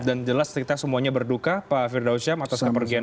dan jelas kita semuanya berduka pak firdausyam atas kepercayaan